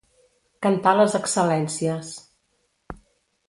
Cantar les excel·lències.